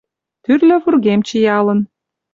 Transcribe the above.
Тӱрлӧ вургем чиялын